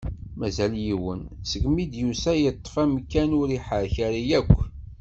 Mazal yiwen, seg mi i d-yusa yeṭṭef amkan ur iḥerrek ara akk.